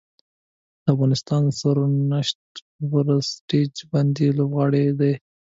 د افغانستان د سرنوشت پر سټیج باندې لوبغاړي دي.